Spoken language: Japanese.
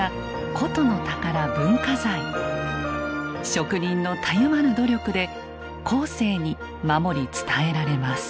職人のたゆまぬ努力で後世に守り伝えられます。